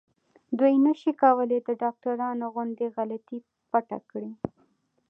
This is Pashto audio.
دوی نشي کولای د ډاکټرانو غوندې غلطي پټه کړي.